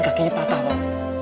kakinya patah pok